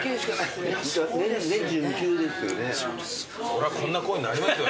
そりゃこんな声になりますよ。